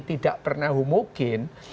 tidak pernah mungkin